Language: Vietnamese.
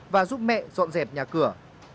và giúp mẹ dọn dẹp nhà cửa